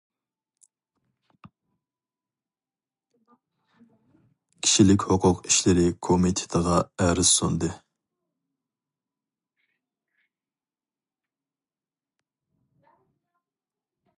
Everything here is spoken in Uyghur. كىشىلىك ھوقۇق ئىشلىرى كومىتېتىغا ئەرز سۇندى.